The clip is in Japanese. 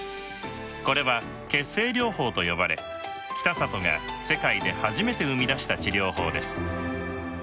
これは「血清療法」と呼ばれ北里が世界で初めて生み出した治療法です。